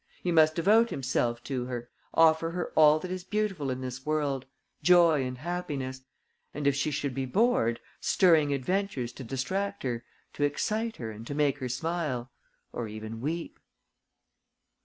He must devote himself to her, offer her all that is beautiful in this world: joy and happiness ... and, if she should be bored, stirring adventures to distract her, to excite her and to make her smile ... or even weep."